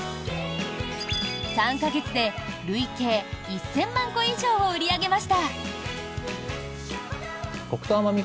３か月で累計１０００万個以上を売り上げました。